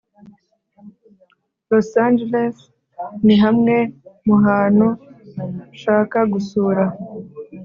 ] los angeles ni hamwe mu hantu nshaka gusura